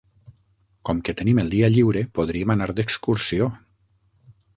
Com que tenim el dia lliure podríem anar d'excursió.